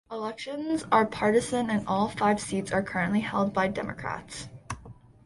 Elections are partisan and all five seats are currently held by Democrats.